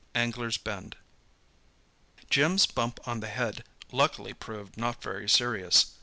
ANGLERS' BEND Jim's "bump on the head" luckily proved not very serious.